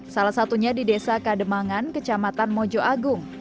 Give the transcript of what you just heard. salah satunya di desa kademangan kecamatan mojo agung